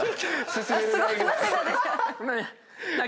すごい涙。